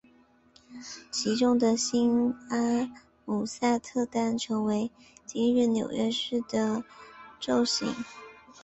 其中的新阿姆斯特丹成为今日纽约市的雏形。